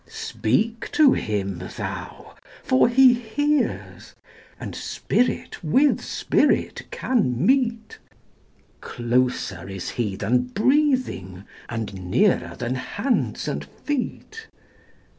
Speak to Him thou for He hears, and Spirit with Spirit can meet—Closer is He than breathing, and nearer than hands and feet.